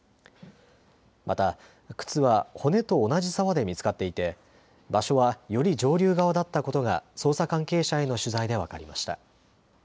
また、靴は骨と同じ沢で見つかっていて、場所はより上流側だったことが捜査関係者への取材で分かりました。